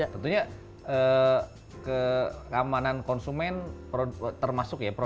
tentunya keamanan konsumen termasuk ya